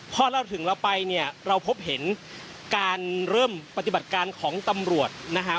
พอเราถึงเราไปเนี่ยเราพบเห็นการเริ่มปฏิบัติการของตำรวจนะฮะ